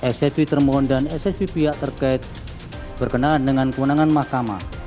sev termohon dan ssv pihak terkait berkenaan dengan kewenangan mahkamah